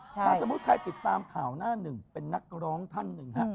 ถ้าสมมุติใครติดตามข่าวหน้าหนึ่งเป็นนักร้องท่านหนึ่งฮะ